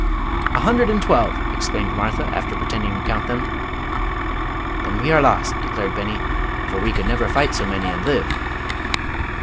"A hundred and twelve!" exclaimed Martha, after pretending to count them. "Then we are lost!" declared Beni; "for we could never fight so many and live."